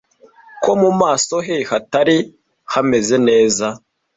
ko mu maso he hatari haameze neza